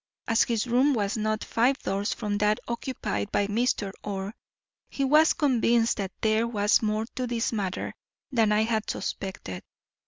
As his room was not five doors from that occupied by Mr. Orr, he was convinced that there was more to this matter than I had suspected.